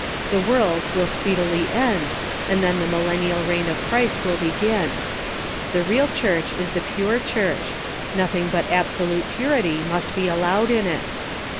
The world will speedily end, and then the millennial reign of Christ will begin. The real Church is the pure Chui ch. Nothing but absolute purit)^ must be allowed in it.